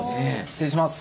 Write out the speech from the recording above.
失礼します。